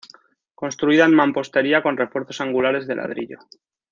Construida en mampostería con refuerzos angulares de ladrillo.